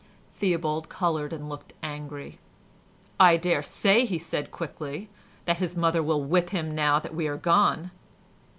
Theobald coloured and looked angry. "I dare say," he said quickly, "that his mother will whip him now that we are gone."